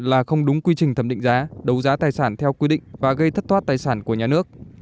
là không đúng quy trình thẩm định giá đấu giá tài sản theo quy định và gây thất thoát tài sản của nhà nước